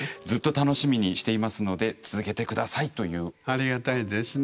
ありがたいですね。